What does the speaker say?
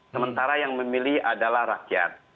sementara yang memilih adalah rakyat